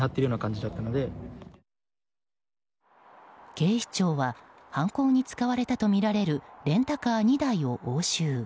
警視庁は犯行に使われたとみられるレンタカー２台を押収。